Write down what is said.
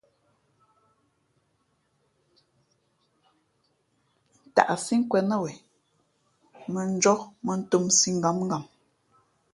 Ntaʼsí nkwēn nά wen mᾱnjóh mᾱntōmsī ngǎmngam.